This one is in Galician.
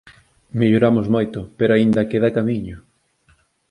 Melloramos moito pero aínda queda camiño.